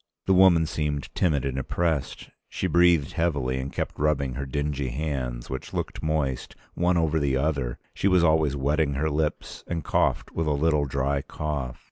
The woman seemed timid and oppressed: she breathed heavily and kept rubbing her dingy hands, which looked moist, one over the other; she was always wetting her lips, and coughed with a little dry cough.